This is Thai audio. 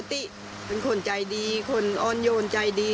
ติเป็นคนใจดีคนอ่อนโยนใจดี